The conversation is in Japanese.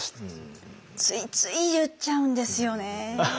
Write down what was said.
ついつい言っちゃうんですよね。